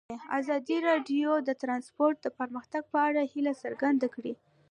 ازادي راډیو د ترانسپورټ د پرمختګ په اړه هیله څرګنده کړې.